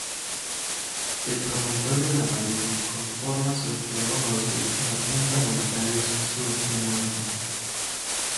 El promontorio Lamadrid conforma su extremo norte y la punta Voluntarios su extremo este.